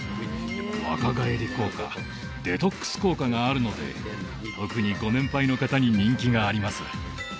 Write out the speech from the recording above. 若返り効果デトックス効果があるので特にご年配の方に人気があります